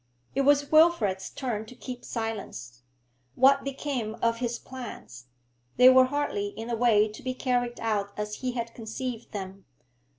It was Wilfrid's turn to keep silence. What became of his plans? They were hardly in a way to be carried out as he had conceived them.